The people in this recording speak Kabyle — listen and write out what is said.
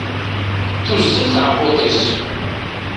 Tuzzel tɛebbuḍt-is.